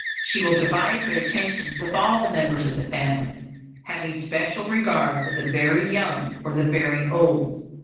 She will divide her attentions with all the members of the family, having special regard for the very young or the very old.